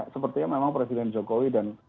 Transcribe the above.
sepertinya memang presiden jokowi dan